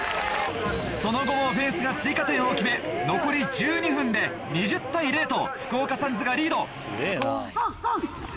その後もオフェンスが追加点を決め残り１２分で２０対０と福岡ＳＵＮＳがリード。